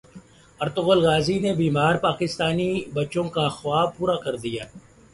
Ertugrul Ghazi نے بیمار پاکستانی بچوں کا خواب پورا کردیا